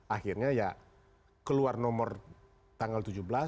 akhirnya ya keluar nomor tanggal tujuh belas